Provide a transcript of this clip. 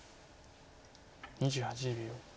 ２８秒。